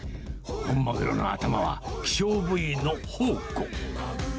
本マグロの頭は希少部位の宝庫。